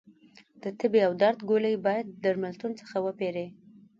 د تبې او درد ګولۍ باید درملتون څخه وپېری